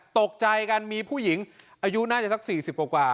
ตกใจกันมีผู้หญิงอายุน่าจะสัก๔๐กว่า